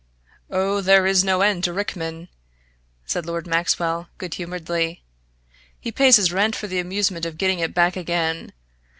"Oh, there is no end to Rickman," said Lord Maxwell, good humouredly. "He pays his rent for the amusement of getting it back again.